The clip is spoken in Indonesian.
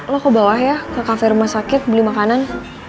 lo ke bawah ya ke kafe rumah sakit beli makanan